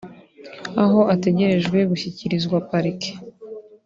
aho ategerejwe gushyikirizwa parike